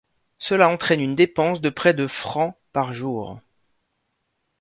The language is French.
Cela entraîne une dépense de près de francs par jour.